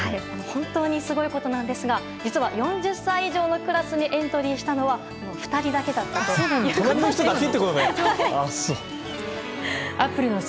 本当にすごいことなんですが実は４０歳以上のクラスにエントリーしたのは２人だけだったそうです。